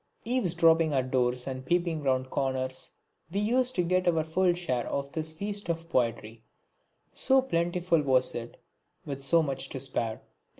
Eavesdropping at doors and peeping round corners, we used to get our full share of this feast of poetry, so plentiful was it, with so much to spare.